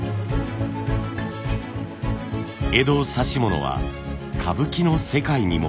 江戸指物は歌舞伎の世界にも。